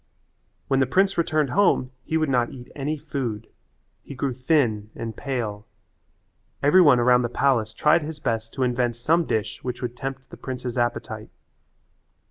When the prince returned home he would not eat any food. He grew thin and pale. Every one around the palace tried his best to invent some dish which would tempt the prince's appetite.